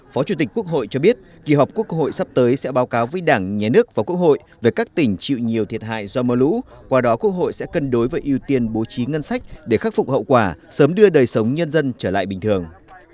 phó chủ tịch quốc hội cho biết kỳ họp quốc hội sắp tới sẽ báo cáo với đảng nhà nước và quốc hội về các tỉnh chịu nhiều thiệt hại do mưa lũ qua đó quốc hội sẽ cân đối với ưu tiên bố trí ngân sách để khắc phục hậu quả sớm đưa đời sống nhân dân trở lại bình thường